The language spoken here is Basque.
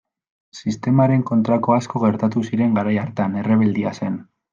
Sistemaren kontrako asko gertatu ziren garai hartan, errebeldia zen.